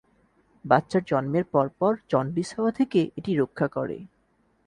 বাচ্চার জন্মের পরপর জন্ডিস হওয়া থেকে এটি রক্ষা করে।